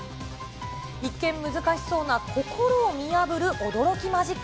一見、難しそうな心を見破る驚きマジック。